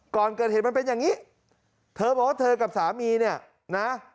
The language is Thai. ก่อนเกิดเหตุมันเป็นอย่างนี้เธอบอกว่าเธอกับสามีเนี่ยนะ